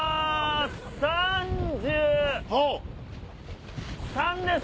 ３３です。